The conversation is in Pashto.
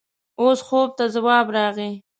اوس خوب ته ځواب راغی.